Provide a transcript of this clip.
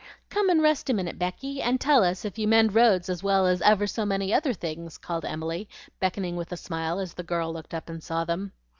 Come and rest a minute, Becky, and tell us if you mend roads as well as ever so many other things;" called Emily, beckoning with a smile, as the girl looked up and saw them.